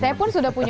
saya pun sudah punya